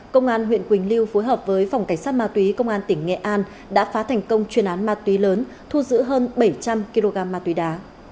công an huyện quỳnh lưu phối hợp với phòng cảnh sát ma túy công an tỉnh nghệ an đã phá thành công chuyên án ma túy lớn thu giữ hơn bảy trăm linh kg ma túy đá